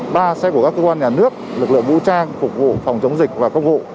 ba xe của các cơ quan nhà nước lực lượng vũ trang phục vụ phòng chống dịch và công vụ